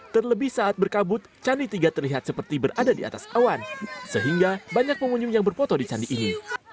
terlebih saat berkabut candi tiga terlihat seperti berada di atas awan sehingga banyak pengunjung yang berfoto di candi ini